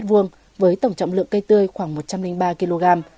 với tổng trọng lượng cây tươi khoảng một trăm linh ba kg